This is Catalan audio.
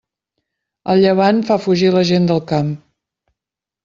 El llevant fa fugir la gent del camp.